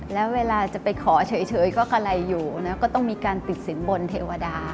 แล้วเวลาจะไปขอเฉยก็กะไรอยู่แล้วก็ต้องมีการติดสินบนเทวดา